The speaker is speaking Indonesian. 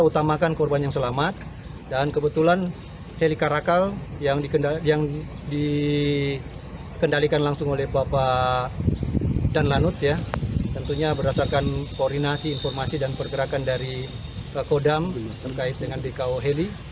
dan lanut ya tentunya berdasarkan koordinasi informasi dan pergerakan dari kodam terkait dengan bko heli